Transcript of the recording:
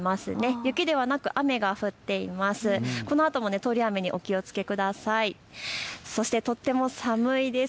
雪ではなく雨が降っています。